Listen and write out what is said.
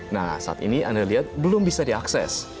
nah saat ini anda lihat belum bisa diakses